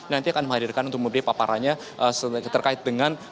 nanti akan dihadirkan untuk membeli paparannya terkait dengan